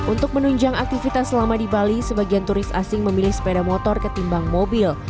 untuk menunjang aktivitas selama di bali sebagian turis asing memilih sepeda motor ketimbang mobil